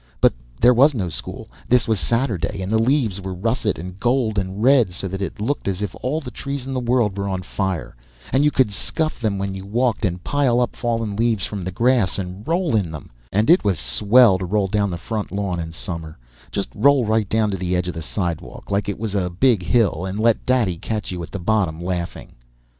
But there was no school, this was Saturday, and the leaves were russet and gold and red so that it looked as if all the trees in the world were on fire. And you could scuff when you walked and pile up fallen leaves from the grass and roll in them. And it was swell to roll down the front lawn in summer, just roll right down to the edge of the sidewalk like it was a big hill and let Daddy catch you at the bottom, laughing.